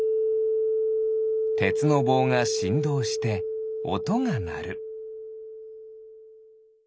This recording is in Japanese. てつのぼうがしんどうしておとがなる。